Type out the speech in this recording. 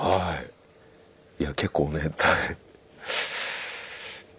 いや結構ね。